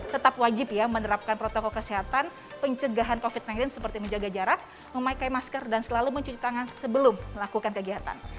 tetap wajib ya menerapkan protokol kesehatan pencegahan covid sembilan belas seperti menjaga jarak memakai masker dan selalu mencuci tangan sebelum melakukan kegiatan